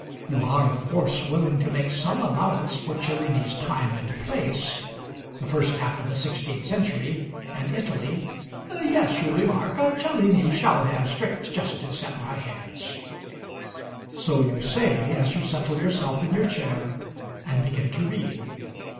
You are of course willing to make some allowance for Cellini's time and place the first half of the sixteenth century and Italy! "Yes," you remark, "Cellini shall have strict justice at my hands." So you say as you settle yourself in your chair and begin to read.